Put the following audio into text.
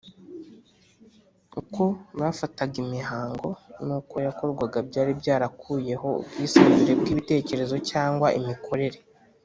. Uko bafataga imihango n’uko yakorwaga byari byarakuyeho ubwisanzure bw’ibitekerezo cyangwa imikorere